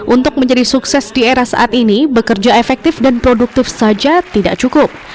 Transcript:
untuk menjadi sukses di era saat ini bekerja efektif dan produktif saja tidak cukup